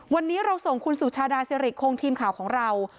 วันนี้เราส่งคุณสุชาดาสิริคงทีมข่าวของเรา